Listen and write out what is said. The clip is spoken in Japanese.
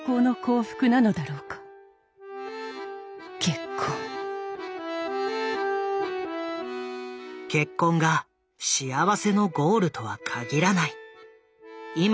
結婚が幸せのゴールとは限らない。